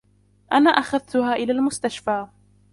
أنا أخذتها إلي المستشفي.